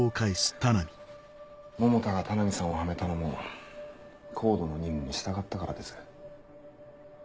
百田が田波さんをはめたのもＣＯＤＥの任務に従ったからです。